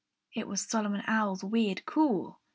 It was Solomon Owl's weird call.